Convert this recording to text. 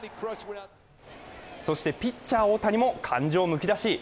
そしてピッチャー・大谷も感情むき出し。